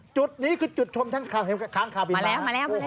จุดนี้คือจุดชมทางค้างขาวบินมาจะมามาแล้ว